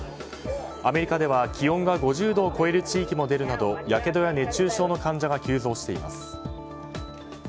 アメリカでは、気温が５０度を超える地域も出るなどやけどや熱中症の患者が急増しています。